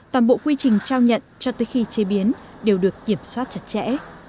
toàn bộ quy trình trao nhận cho tới khi chế biến đều được kiểm soát chặt chẽ